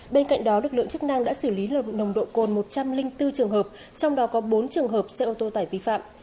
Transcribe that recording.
bên cạnh đó lực lượng chức năng đã xử lý nồng độ cồn một trăm linh bốn trường hợp trong đó có bốn trường hợp xe ô tô tải vi phạm